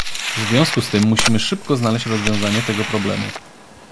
W związku z tym musimy szybko znaleźć rozwiązanie tego problemu